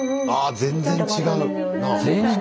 全然違う。